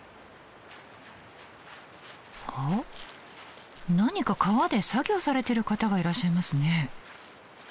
あっ何か川で作業されてる方がいらっしゃいますね。